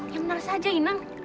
yang benar saja inang